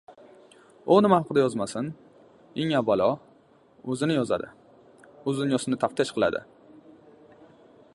U nima haqida yozmasin, eng avvalo, o‘zini yozadi, o‘z dunyosini taftish qiladi.